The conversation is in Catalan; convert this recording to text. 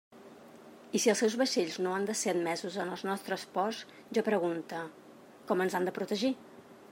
I si els seus vaixells no han de ser admesos en els nostres ports, jo pregunte: ¿com ens ha de protegir?